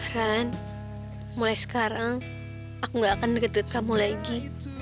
ran mulai sekarang aku gak akan deket deket kamu lagi